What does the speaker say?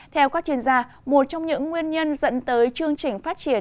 theo các chuyên gia một trong những nguyên nhân dẫn tới chương trình phát triển